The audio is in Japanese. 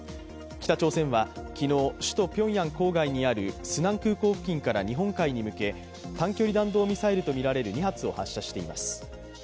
北朝鮮は昨日、首都ピョンヤン郊外にあるスナン空港付近から日本海に向け短距離弾道ミサイルとみられる２発を発射しています。